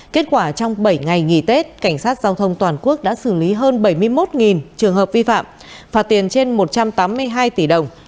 kết quả trong bảy ngày nghỉ tết cảnh sát giao thông toàn quốc đã xử lý hơn bảy mươi một trường hợp vi phạm phạt tiền trên một trăm tám mươi hai tỷ đồng